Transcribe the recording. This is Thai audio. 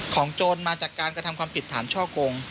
โจรมาจากการกระทำความผิดฐานช่อกง